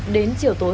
đến chiều tối